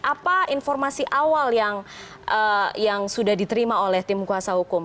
apa informasi awal yang sudah diterima oleh tim kuasa hukum